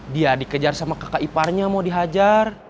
dia dikejar sama kakak iparnya mau dihajar